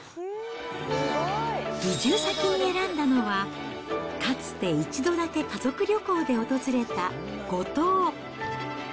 移住先に選んだのは、かつて一度だけ家族旅行で訪れた五島。